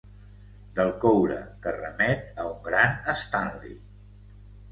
Del coure que remet a un gran Stanley.